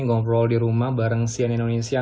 ngobrol di rumah bareng sian indonesia